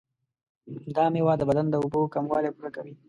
دا میوه د بدن د اوبو کموالی پوره کوي.